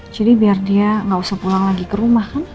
jadi biar dia gak usah pulang lagi ke rumah kan